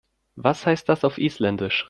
Was heißt das auf Isländisch?